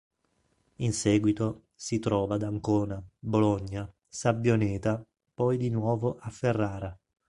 In seguito, si trova ad Ancona, Bologna, Sabbioneta, poi di nuovo a Ferrara.